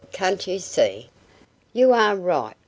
Can't you see?" "You are right!